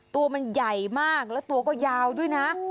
ตัวมันใหญ่มากแล้วตัวก็ยาวด้วยนะ